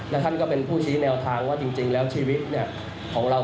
และท่านก็เป็นผู้ชี้แนวทางว่าจริงแล้วชีวิตของเรา